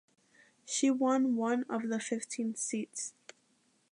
She won one of the fifteen seats.